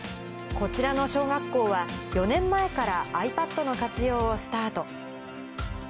こちらの小学校は、４年前からｉＰａｄの活用をスタート。